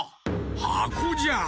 はこじゃ。